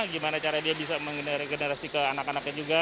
gimana cara dia bisa mengeregenerasi ke anak anaknya juga